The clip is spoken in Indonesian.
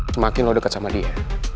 semakin lu deket sama dia